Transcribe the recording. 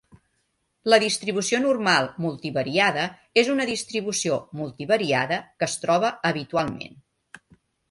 La distribució normal multivariada és una distribució multivariada que es troba habitualment.